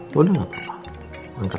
dia juga ga terbukti bersalah